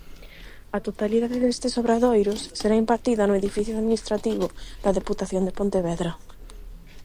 A totalidade destes obradoiros será impartida no Edificio Administrativo da Deputación de Pontevedra.